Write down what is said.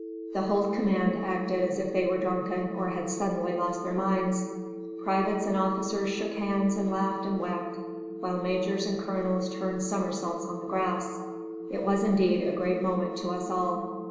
The whole command acted as if they were drunken or had suddenly lost their minds. Privates and officers shook hands and laughed and wept, while majors and colonels turned somersaults on the grass. It was indeed a great moment to us all.